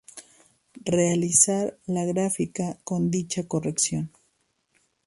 Realizar la gráfica con dicha corrección.